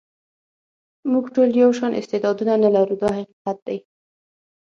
موږ ټول یو شان استعدادونه نه لرو دا حقیقت دی.